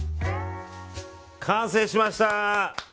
完成しました。